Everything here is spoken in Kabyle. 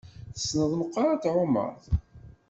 Tessneḍ meqqar ad tεummeḍ?